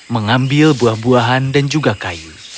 mengambil buah buahan dan juga kayu